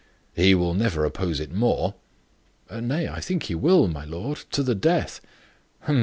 "He will never oppose it more." "Nay, I think he will, my lord to the death."